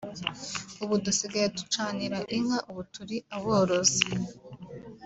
ubu dusigaye ducanira inka ubu turi aborozi